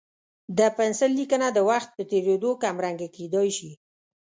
د پنسل لیکنه د وخت په تېرېدو کمرنګه کېدای شي.